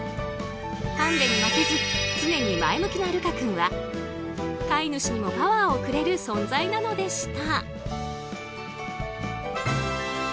ハンデに負けず常に前向きなルカ君は飼い主にもパワーをくれる存在なのでした。